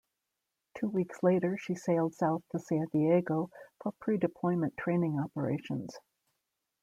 Two weeks later she sailed south to San Diego for pre-deployment training operations.